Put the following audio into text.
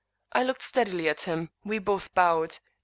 I looked steadily at him. We both bowed.